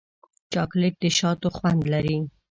چاکلېټ د شاتو خوند لري.